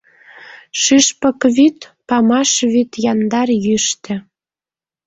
Шӱшпык вӱд — памаш вӱд Яндар, йӱштӧ.